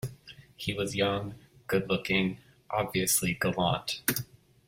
He was young, good-looking, obviously gallant.